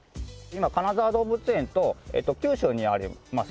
今金沢動物園と九州にあります